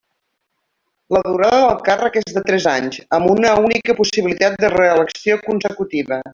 La durada del càrrec és de tres anys, amb una única possibilitat de reelecció consecutiva.